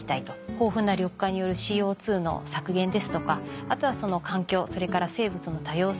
豊富な緑化によるＣＯの削減ですとかあとはその環境それから生物の多様性